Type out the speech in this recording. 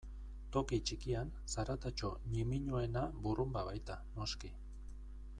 Toki txikian, zaratatxo ñimiñoena burrunba baita, noski.